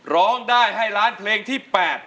ร้องได้ให้ล้านเพลงที่๘